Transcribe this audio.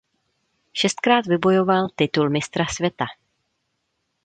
Šestkrát vybojoval titul mistra světa.